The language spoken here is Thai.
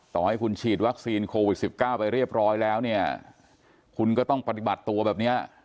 ต่อให้คุณฉีดวัคซีนโควิด๑๙ไปเรียบร้อยแล้วเนี่ยคุณก็ต้องปฏิบัติตัวแบบเนี้ย